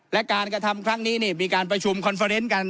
และการกระทำครั้งนี้มีการประชุมคอนเฟอร์เนนต์กัน